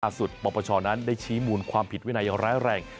สุดปปชนั้นได้ชี้มูลความผิดวินัยร้ายแรง